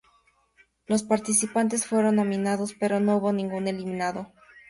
Los participantes fueron nominados, pero no hubo ningún eliminado.